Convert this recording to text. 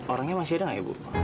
orangnya masih ada nggak ibu